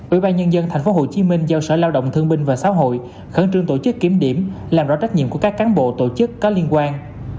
ủy ban nhân dân tp hcm giao sở lao động thương binh và xã hội khẩn trương tổ chức kiểm điểm làm rõ trách nhiệm của các cán bộ tổ chức có liên quan